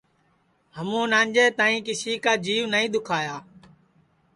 ہمون انجے تائی کسی کا جیو نائی دُؔکھایا